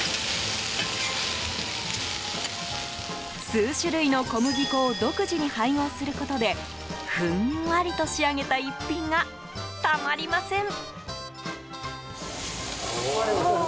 数種類の小麦粉を独自に配合することでふんわりと仕上げた逸品がたまりません。